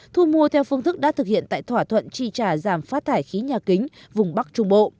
thu mua theo phương thức đã thực hiện tại thỏa thuận tri trả giảm phát thải khí nhà kính vùng bắc trung bộ